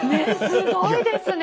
すごいですね！